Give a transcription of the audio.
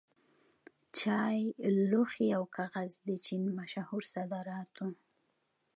چای، لوښي او کاغذ د چین مشهور صادرات وو.